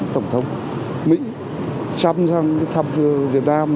tổng thống mỹ chăm dặn thăm việt nam